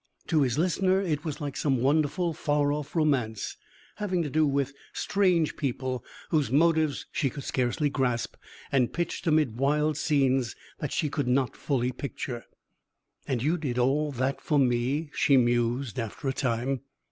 To his listener it was like some wonderful, far off romance, having to do with strange people whose motives she could scarcely grasp and pitched amid wild scenes that she could not fully picture. "And you did all that for me," she mused, after a time.